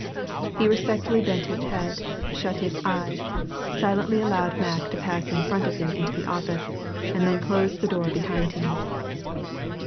He respectfully bent his head, shut 'his eyes, silently allowed Mack to pass in front of him into the office, and then closed the door behind him.